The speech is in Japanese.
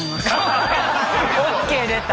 ＯＫでた！